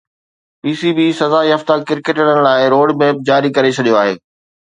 P C B سزا يافته ڪرڪيٽرن لاءِ روڊ ميپ جاري ڪري ڇڏيو آهي